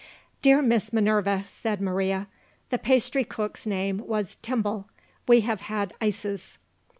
"Dear Miss Minerva," said Maria, "the pastry cook's name was Timbal. We have had ices."